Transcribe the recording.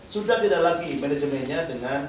sudah tidak lagi manajemennya dengan